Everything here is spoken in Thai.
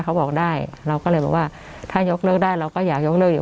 เขาบอกได้เราก็เลยบอกว่าถ้ายกเลิกได้เราก็อยากยกเลิกอยู่